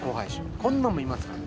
こんなのもいますからね。